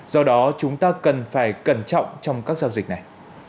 do đó chúng ta cần phải cẩn trọng trong các giao dịch này